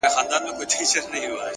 د نورو بریا ستایل لویوالی دی.